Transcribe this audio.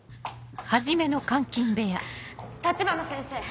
立花先生！